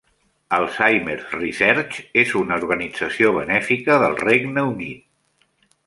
Alzheimer's Research és una organització benèfica del Regne Unit.